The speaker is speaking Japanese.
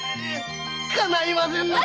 かないませんなぁ。